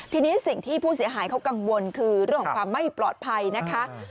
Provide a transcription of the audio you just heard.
ทีนี้สิ่งที่ผู้เสียหายเขากังวลคือเรื่องของความไม่ปลอดภัยนะคะ